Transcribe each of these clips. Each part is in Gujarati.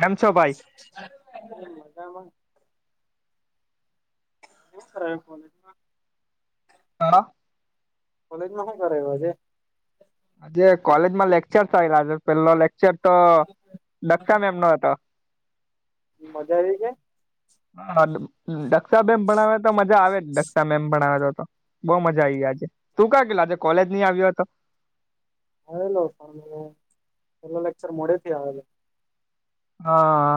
કેમ છો ભાઈ.. સારું ને મજા માં હું કરાયવુ કોલેજ માં આરામ કોલેજ મા સુ કરાયેલું આજે આજે કોલેજમાં લેક્ચર આવેલા છે પેલો લેક્ચર તો દક્ષા મેમનો હતો. મજા આવી કે હા દક્ષામેમ ભણાવે તો મજા આવે જ દક્ષા મેમ ભણાવે તો તો બઉુ મજા આ આવી આજે તું ક્યા કે આજે કોલેજ ની આવ્યો હતો. આવેલો પેલા લેક્ચર મોડે થી આવેલો હા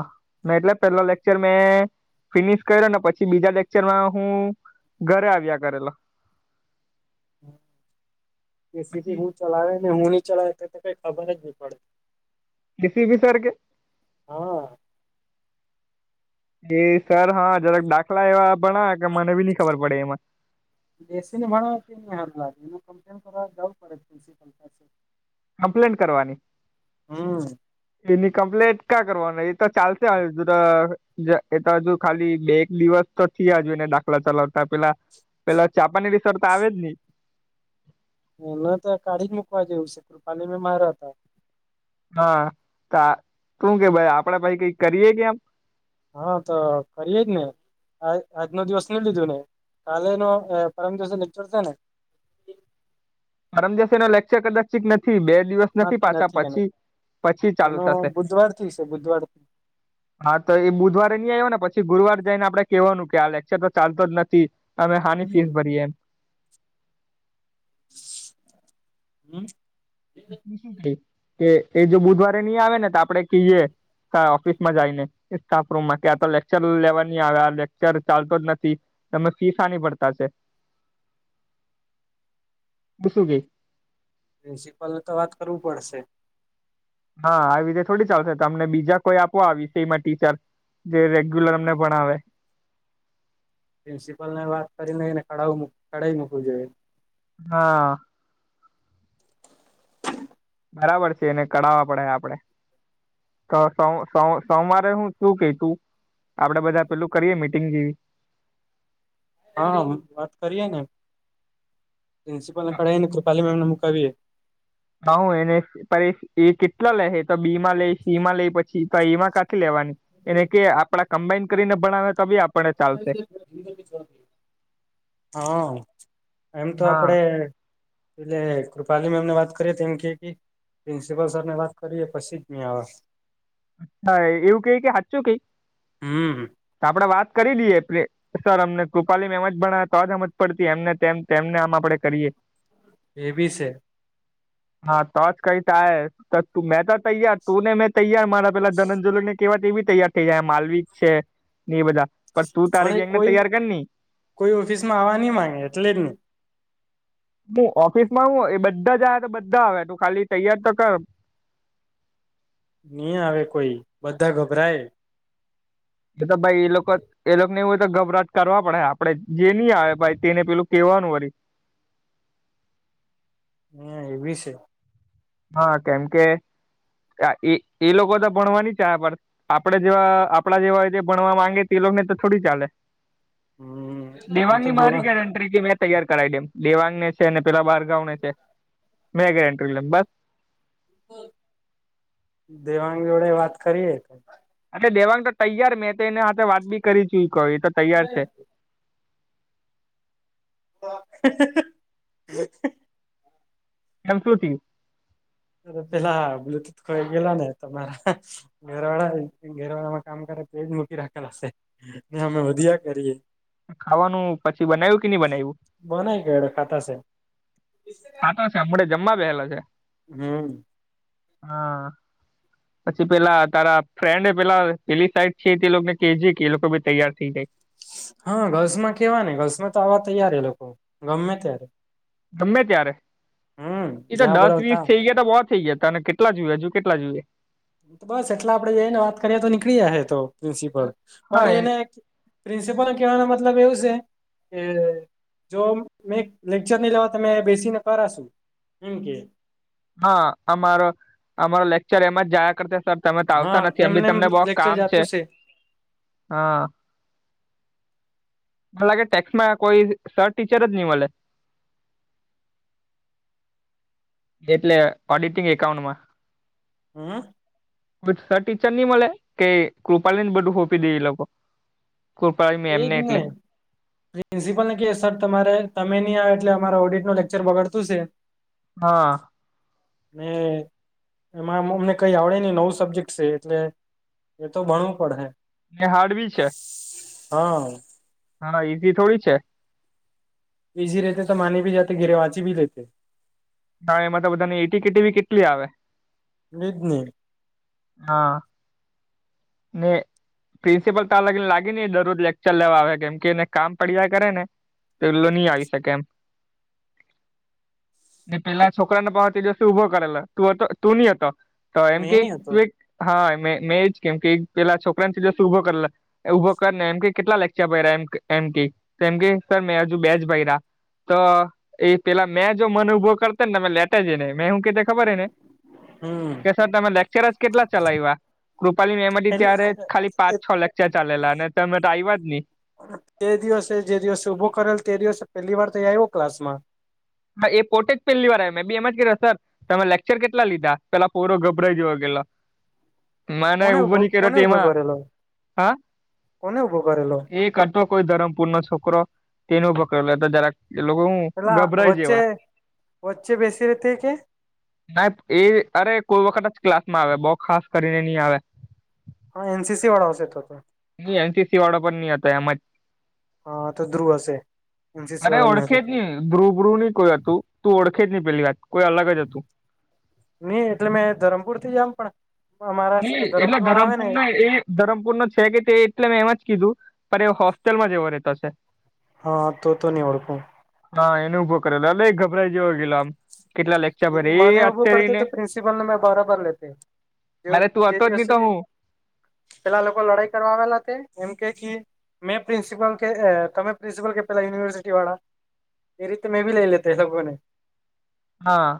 એટલે પેલા લેક્ચર મેં ફિનિશ કર્યો ને પછી બીજા લેક્ચરમાં હું ઘરે આવ્યા કરેલો [unintelligible] એસીપી પછી હું ચલાવે ને હું નહી ચલાવે તે તો કઈ ખબર જ નહી પડે કીસી ભી સર કે હા એ સર હા જરાક દાખલા એવા ભણાવે કે મને બી નહી ખબર પડે એમાં બેસીની ભાણ [unintelligible] ત હાર લાગેને કમપ્લેન કરાવવા પડે [unintelligible] કમ્પ્લેન કરવાની હમ એની કમ્પ્લેટ ક્યા કરવાનું એ તો ચાલશે હ હજુ એ તો હજુ ખાલી બે એક દિવસ તો થયા જોને દાખલા ચલાવતા પેલા પેલા ચાપાની રિ સર તો આવે જ ઈ ન તો કાઢી જ મુકવા જેવું છે કૃપાલી મેમ હારા હતા હા તો શું કે ભાઈ આપડે ભાઈ કઈક કરીએ કે એમ હા તો કરીે જ ને આ આજ નો દિવસ નહી લીધો ને કાલે નો પરમ દિવસે લેકચર છે ને પરમ જેશે એનો લેક્ચર કદાચીત નથી બે દિવસ નથી પાછા પછી પછી ચાલુ એનો થશે બુધવાર થી છે બુધવારથી હા તો એ બુધવારે ની આવ્યો ને પછી ગુરવાર જઈ ને આપણે કહેવાનું કે આ લેક્ચર તો ચાલતો જ નથી. અમે હાનિ ફીસ ભરી એમ હમ શું થ કે એ જો બુધવારે નહી આવે ને તો આપડે કહીએ. ત્યાં ઓફિસ માં જઈ ને સ્ટાફ રૂમમાં કે આ તો લેક્ચર લેવાની આવે લેક્ચર ચાલતો જ નથી. તમે ફી સાની ભરતા છે. [inaudible] તો શું કે. પ્રિન્સિપાલ ને તો વાત કરવું પડશે. હા આવી રીતે થોડી ચાલશે તમને બીજા કોઈ આપો આ વિષયમાં ટીચર‍ બે રેગ્યુલર એમને ભણાવે. પ્રિન્સિપલ ને વાત કરીને ઈવને કઢાવો કઢાઈ મૂકો જોઈએ. હા. બરાબર છે એને કઢાવવા પડે આપડે. તો સો સો સો સોમવારે હું શું કે તું. આપડે બધા પેલું કરીએે મિટિંગ જેવી. હા વાત કરીએ ને પ્રિન્સિપલને કઢાવી ને કૃપાલી મેમને મુકાવએે. હા એને એ કેટલા લે તો બી માં લે સી માં લઈ પછી. તો એમાં કાંથી લેવાની એને કે આપડા કમ્બાઇન કરીને ભણાવે તો બી અપ [unintelligible] હા એમ તો હા આપડે એટલે કૃપાલી મેમને વાત કરીએ તો એમ કે કે પ્રિન્સિપલ સર ને વાત કરીએ પછી જ નહી આવે. આ એવું કઈ કે સાચું કઈ હમ્મ આપડે તા વાત કરી લઈએ પ્રિ સર અમને કૃપાલીમ એમ જ ભણ તો જ અમ જ પડતી એમને તેમ તેમને આમ આપડે કરીએ. એ બી છે. હા તો જ કઈ થાય તો તું મેં તો તૈયાર તુંને મેં તૈયાર મારા પેલા ધનંજલ ને કેવાય એવી તૈયાર થઇ જાય માલવીક છે ને એ બધા પણ તું તારી એ ગંગને કોઈ તૈયાર કર ની. કોઈ ઓફિસમાં આવવા નહી માંગે એટલે જ નહી. હું ઓફિસ માં હું એ બધા જ આવ્યા તો બધા આવ્યા ત ખાલી તૈયાર તો કર. નહીં આવે કોઈ બધા ગભરાય. એ તો ભાઈ એ લોકો એ લોકો ને એવું હોય તો ગભરાટ કરવા પડે આપડે જે નહી આવે ભાઈ તેને પેલું કેવાનું વારી. હમ્મ એવી છે. હા કેમ કે એ એ લોકો તો ભણવાની ચા પડ આપડે જેવા આપડા જેવા હોય ભણવા માંગે તે એ લોકો ને તો થોડી ચાલે. હમ્મ એમ તો દેવાની મારી દેવા ગેરંટી મેં તૈયાર કરાવ દેમ દેવાંગને છે અનેને પેલા બારગાં ને છે મેં ગેરેન્ટ્રી લેમ બસ. દેવાંગ જોડે વાત કરીએ. આ તે દેવાંગ તો તૈયાર મેં તો એને સાથે વાત બી કરી ચૂકી એતો [unintelligible] હા હા હે. [unintelligible] પેલા બ્લુટૂથ ખોઈ ગેલા ને તમારા. ઘેરવાળા ઘેરવાળા માં કામ કરે તો એ જ મૂકી રાખેલ હશે. અમે અહીંય હો દીયા કરીએ. ખાવાનું પછી બનાવ્યું કે નહી બનાવ્યું. બનાઈ ગયેલો ખાતો છે. ખાતો છે અમને જમવા બેસી ગયેલ છે. હમ્મ. હા. [inaudible] પછી પેલા તારા ફ્રેન્ડ એ પેલા પેલી સાઈડ છે તેને કે જે એ લોકો બી તૈયાર થઈ જાય. હા ઘસ માં કેવા ને ઘલ્સમાં તો આવવા તૈયાર લોકો ગમે ત્યારે ગમે ત્યારે હમ એ તો જ્યાં દસ બોલાવ વીસ ત્યાં થઈ ગયા તો બહ થઈ ગયા તને કેટલા જોઈએ હજુ કેટલા જોઈએ બસ એટલે આપડેને વાત કરીએ તો નીકળી હ તો પ્રિન્સિપલ હા પણ એ એને પ્રિન્સિપલને કહેવાનો મતલબ એવું છે. કે જો મે લેક્ચર નહી લેવા તમે બેસીને કરાશુ એમ કે હા અમારો અમારો લેક્ચર એમાં જાયા કરતા તમે તો આવતા હા નથી એમ બી એમને તમને બહ લેક્ચર કામ છે જાતું હા મ લાગે ટેક્સ માં કોઈ સર ટીચર જ નહી મળે એટલે ઓડિટિંગ એકાઉન્ટમાં હમ સર ટીચર નહી મળે કે કૃપાલી ને બધું ફોંપી દે એ લોકો કૃપાલી એજ મેમને ને એટલે પ્રિન્સિપલ ને ક સર તમારે તમે નહી આવે એટલે અમારા ઓડિટ નું લેક્ચર બગડતું છે. [inaudible] હા મે એમાં અમને કઈ આવડે નહી નવું સબ્જેક્ટ છે એટલે એ તો ભણવું પડે હાડવી છે. હા હા ઈઝી થોડી છે. ઇઝી રહેતે તો માને ભ જતે ગિરેવાજી ભી લતે હા એમાં તો બધાની એટી કીટીવીી કેટલી આવે એજને, હા ને પ્રિન્સિપલ તોા લગીને લાગી નઈ દરરોજ લેક્ચર લેવા આવે કેમ કે એને કામ પડ્યા કરે ને તો નહી આવી શકે એમ [inaudible] ને પેલા છોકરાને પહતી દિવસ ઉભો કરેલો તું હતો તું નહ હતો. તો એમ મેં કે નહ હતો હા મેંજ કેમ કે પેલા છોકરાનેથી જસ ઉભો કરલા ઉભો કરને એમ કે કેટલા લેચ્યા પ્યા એમ કે એમ કે સર મેં હજુ બેજ પ્યા તો એ પેલા મેં જો મન ઉભો કરતા ને તમે લેટા જ ને મેં હું કતા ખબર હ ને હમ કે સર તમે લેક્ચરસ કેટલા ચલાવ્યા કૃપાલી મેમાં એટલે ત્યારે ખાલી પાંચ છ લેકચર ચાલેલા અને તમે તો આવ્યા જ ને તે દિવસે જે દિવસે ઉઊભો કરેલ તે દિવસે પેલી વાર તો આવ્યો ક્લાસ માં હા એ પોતે જ પેલી વાર આવ મેં બી એમ જ કર્યો સર તમે લેક્ચર કેટલા લીધા પેલા પૂરો ગભરાઈ જયો કેટલો કોને ઉભ કોને ઉભો તેમાં કરેલો કોને ઉભો કરેલો કરતો કોઈ ધરમ પૂર ન છોકરો તેનો બકરા લેતો જરા એ લોકો હું ગભરાય બચ્ચે વચ્ચે બેસી રહેતે હૈ કે ના એ અરે કોઈ વખત જ ક્લાસ માં આવે બહુ ખાસ કરીને નહી આવે હા એનસી વાળા હઉસતો હતો. એનસીસી વાળા પણ નહ હતા એમાં હા તો ધ્રુવ હશે એનસીસી અરે વાળાની ઓળખે હશે. જ નહી ધ્રુવ બ્રુવ નહ કોઈ હતું તું ઓળખે જ નહી પેલી વાત કોઈ અલગ જ હતું. નઈ એટલે મેં ધરમપુર થી જમ પણ અમારા એટલે વાળા આવે ને ધરમપુર ના એ ધરમપુર નો છે કે તે એટલે મે એમાં જ કીધું પણ એ હોસ્ટેલમાં જ એવો રહેતો છે. હા તો તો નહી ઓળખું હા એનો ઉભો કરેલોલે ગભરાઈ જેવ ગેલો આમ કેટલા લેચર ભ એ અત્યારેને બનને બરાબર લે પેલે તું હતો જ નહી તો હું પેલા લોકો લડાઈ કરવા આવેલા હતા એમ કે મેં પ્રિન્સિપલ કે તમે પ્રિન્સિપલ કે પહેલા યનિવર્સિટી વાળા એ રીતે મેં ભી લેતેે એ લોકોને હા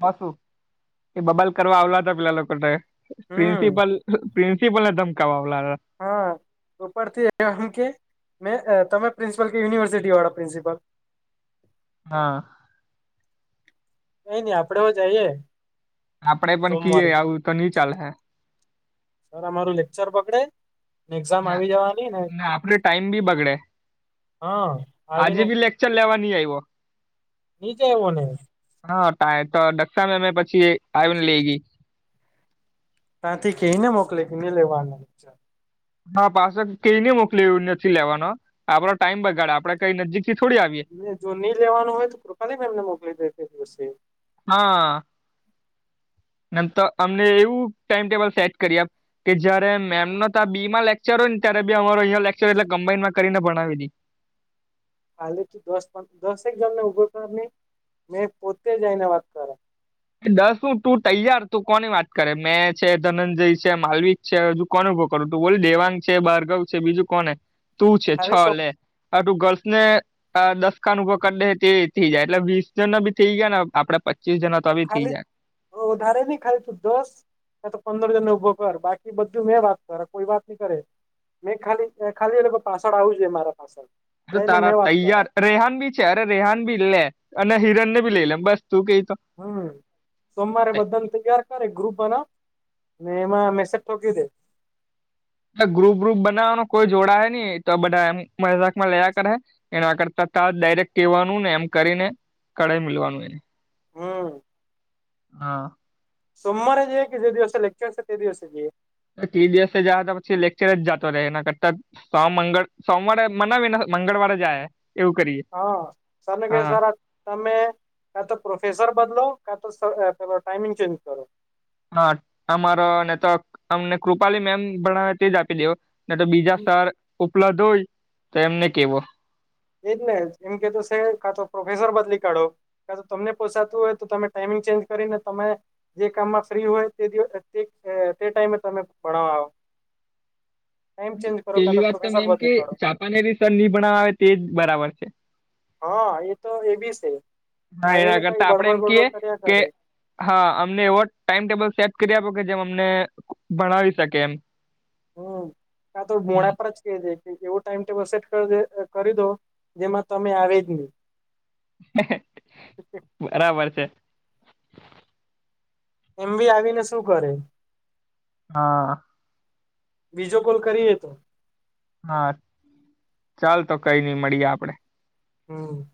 હ શું એ બબાલ કરવા આવલા હતા પેલા લોકો હમ પ્રિન્સિપલ પ્રિન્સિપલ ને ધમકાવવા લાગે હા ઉપરથી એમ કે મે તમે પ્રિન્સિપલ કે યુનિવર્સિટી વાળા પ્રિન્સિપલ હા એઈ નહી આપડે હો જઈએ આપડે પણ કીએ સોમવારે આવું તો નઈ ચાલે હે સર અમારું લેક્ચર બગડે ના ના આપડે ટાઈમ બી બગડે હા આજે આવીને બી લે ચલ લેવા નહી આવ્યો નીચે આયવો નહી હા ટાય તો દક્ષા મેમે પછી આવીને લઈ ગઈ ત્યાંથી કઈ ને મોક કે ન લેવાનાચ હા પાછ કઈને મોકલી નથી લેવાનો આપડો ટાઈમ બગાડે આપડે કઈ નજીક થોડી આવી જો નહી લેવાનું હોય તો કૃપાલી મેમને મોકલી દે દિવ હા નમ તો અમને એવું ટાઈમ ટેબલ સેટ કરી આપ કે જયારે મેમનો તો આ બી માં લેક્ચર હોય ને ત્યારે અમારો અં લેક્ચર એટલે કમ્બાઇનમાં કરીને ભણાવી દી હાલેથી દસ દસેક જણને ઉભો કર નહી મેં પોતે જઈને વાત કર દસ હું તું તૈયાર તું કોની વાત કરે મેં છે ધનંજય છે માલવી છે હજુ કોને ઉભો કરું તું બોલી દેવાંગ છે બારગવ છે બીજું કોને તું છે છ ખાલી શો લે આ તું ગર્લ્સ ને દસકાન ઉભો કરી દે તે થઈ જાય એટલે વીસ જના ભી થઈ ગયા ને આપડે પ તું ખાલી વધ વધારે નહી ખાલી તું દસ મે તો પંદર જણ ને ઉભો કર બાકી બધું મેં વાત કર કોઈ વાત ન કરે મેં ખાલી ખાલી એ લોકો પાછળ આવું જો મારા પાછળ જઈને તારા મેં વાત કરા તૈયાર રેહન બી છે અરે રેહાન ભી લે અને હિરન ને ભી લઈ લેમ બસ તું કઈ તો હમ સોમવારે બધાને તૈયાર કરે ગ્રુપના મેં એમાં મેસેજ કી દે ગ્રુપ વ્રુપ બનાવવાનો કોઈ જોડા હ નહી તો બધા એમ મજાકમાં લયા કરે એને આગળ તતા ડાયરેક્ટ કહેવાનું ને એમ કરીને કળાઈ મલવાનું એને હમ હા સોમવારે જઈએ કે જે દિવસે લેક્ચર છે તે દિવસે જઈએ ટીડીએસ એ જયા હતા પછી લેક્ચર જ જાતો રહે એના કરતા સ મંગળ સોમવારે મનાવીને મંગળવારે જાય એવું કરીએ હા સરને કે હા સાર તમે કા તો પ્રોફેસર બદલો કા તો પેલો ટાઈમિંગ ચેન્જ કરો હા અમારો ને તો અમને કૃપાલી મેમ ભણાવ તેજ આપી દેવ ને તો બીજા સર ઉપલબ્ધ હોય તો એમને કેવો એજ ને એમ કે તો કાતો પ્રોફેસર બદલી કાઢો કા તો તમને પોસાતું હોય તો તમે ટાઈમિંગ ચેન્જ કરીને તમે જે કામમાં ફ્રી હોય તે તે ટાઈમે તમે પડાવવા આવ [inaudible] કા પેલી તો વાત ત પ્રોફેસર એમ કે બદલી કાઢો ચાપાને રસ નહી ભણવા આવે તે જ બરાબર છે હા એ તો એ બી છે હા એના આવીને કઈ કરતા આપડે બળબડ એમ કહીએ બડબડ કર્યા કે કરે હા અમને એવો ટાઈમ ટેબલ સેટ કરી આપો કે જેમ અમને ભણાવી શકે એમ હમ ક તો મોડ પર જ કે જે એવું ટાઈમ ટેબલ સેટ કરી દો જેમાં તમે આવે જ નહી બરાબર છે એમ બી આવીને શું કરે હા બીજો કોલ કરીએ તો હા ચાલ તો કઈ નઈ મળીએ આપડે હમ